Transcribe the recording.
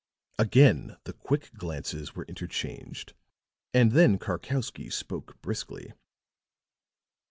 Again the quick glances were interchanged; and then Karkowsky spoke briskly.